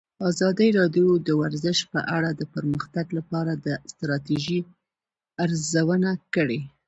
ازادي راډیو د ورزش په اړه د پرمختګ لپاره د ستراتیژۍ ارزونه کړې.